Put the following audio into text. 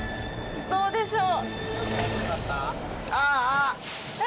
どうでしょう。